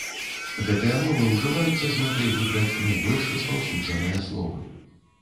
Гэтыя мовы ўжываюцца з мэтай выбраць найбольш распаўсюджаныя словы.